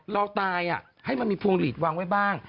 เราตายให้มันมีพวงหลีดวางไว้บ้าง